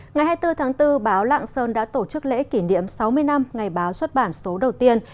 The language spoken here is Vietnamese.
ngày hai mươi bốn tháng bốn báo lạng sơn đã tổ chức lễ kỷ niệm sáu mươi năm ngày báo xuất bản số đầu tiên